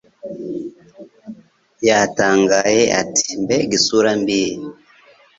Yatangaye ati: "Mbega isura mbi!"